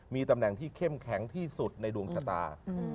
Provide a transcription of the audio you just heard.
มีตำแหน่งที่เข้มแข็งที่สุดในดวงชะตา